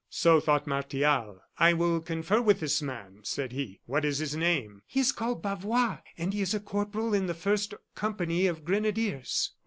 So thought Martial. "I will confer with this man," said he. "What is his name?" "He is called Bavois, and he is a corporal in the first company of grenadiers."